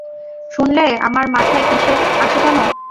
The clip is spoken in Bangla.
শুনলে আমার মাথায় কীসের আসে জানো?